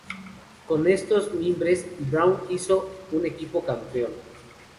Con estos mimbres, Brown hizo un equipo campeón.